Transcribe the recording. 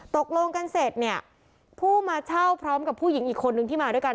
ตกลงกันเสร็จเนี่ยผู้มาเช่าพร้อมกับผู้หญิงอีกคนนึงที่มาด้วยกัน